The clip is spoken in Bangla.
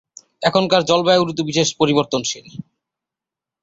এখানকার জলবায়ু ঋতু বিশেষে পরিবর্তনশীল।